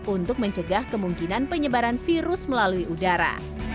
untuk mencegah kemungkinan penyebaran virus melalui udara